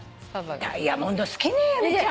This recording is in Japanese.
ダイヤモンド好きね由美ちゃん。